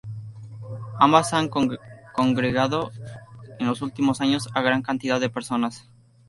Ambas han congregado en los últimos años a gran cantidad de personas.